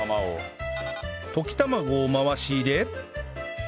溶き卵を回し入れ